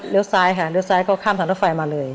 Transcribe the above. เร็วซ้ายค่ะเร็วซ้ายก็ข้ามถังทะเฟย์มาเลย